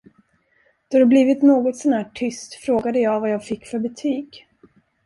Då det blivit något så när tyst, frågade jag vad jag fick för betyg.